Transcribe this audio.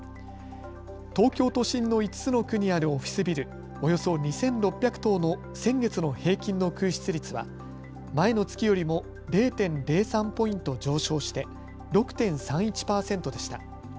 東京都心の５つの区にあるオフィスビル、およそ２６００棟の先月の平均の空室率は前の月よりも０．０３ポイント上昇して６．３１％でした。